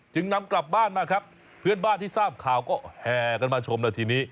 นำกลับบ้านมาครับเพื่อนบ้านที่ทราบข่าวก็แห่กันมาชมแล้วทีนี้